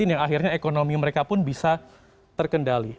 yang akhirnya ekonomi mereka pun bisa terkendali